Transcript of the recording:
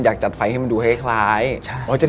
เขาจะเป็นชีวภาษาต่อ